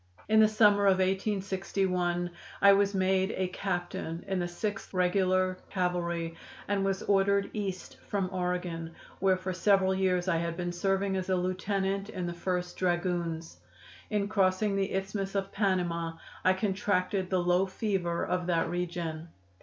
In the summer of 1861 I was made a captain in the Sixth Regular Cavalry, and was ordered East from Oregon, where for several years I had been serving as a lieutenant in the First Dragoons. In crossing the Isthmus of Panama I contracted the low fever of that region.